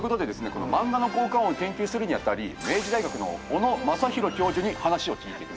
このマンガの効果音を研究するに当たり明治大学の小野正弘教授に話を聞いてきました。